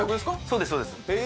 そうですそうです